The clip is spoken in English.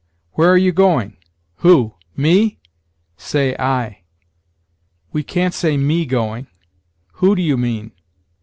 "Where are you going? Who? me?" say, I. We can't say, me going. "Who do you mean?"